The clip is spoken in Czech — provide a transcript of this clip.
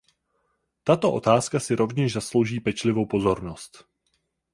Tato otázka si rovněž zaslouží pečlivou pozornost.